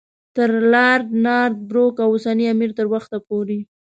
تر لارډ نارت بروک او اوسني امیر تر وخته پورې.